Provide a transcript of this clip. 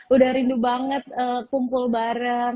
udah rindu banget kumpul bareng